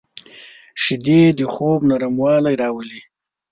شیدې د خوب نرموالی راولي